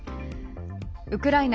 ウクライナ